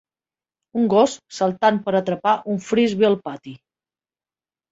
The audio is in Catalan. Un gos saltant per atrapar un frisbi al pati.